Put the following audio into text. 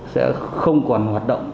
sẽ không còn hoạt động